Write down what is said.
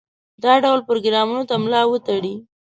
دا ډول پروګرامونو ته ملا وتړي.